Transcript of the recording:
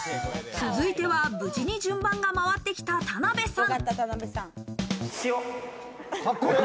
続いては無事に順番が回ってきた田辺さん。